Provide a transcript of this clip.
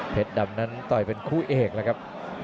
ดำนั้นต่อยเป็นคู่เอกแล้วครับ